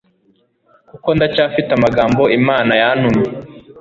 kuko ndacyafite amagambo imana yantumye